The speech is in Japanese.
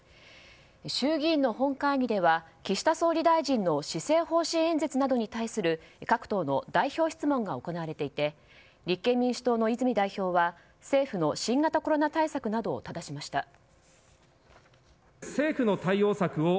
衆議院の本会議では岸田総理大臣の施政方針演説などに対する各党の代表質問が行われていて立憲民主党の泉代表は政府の新型コロナ対策などをただしました。